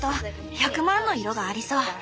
１００万の色がありそう。